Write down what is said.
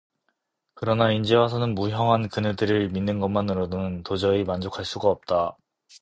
그러나 인제 와서는 무형한 그네들을 믿는 것만으로는 도저히 만족할 수가 없다.